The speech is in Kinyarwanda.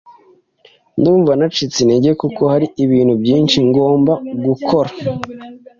Ndumva nacitse intege kuko hari ibintu byinshi ngomba gukora.